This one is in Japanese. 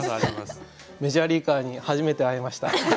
メジャーリーガーに初めて会えました。